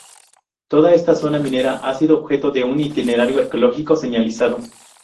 Toda esta zona minera ha sido objeto de un itinerario arqueológico señalizado.